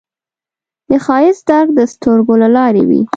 د ښایست درک د سترګو له لارې وي